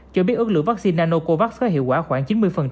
cho biết ước lượng vaccine nanocovax có hiệu quả khoảng chín mươi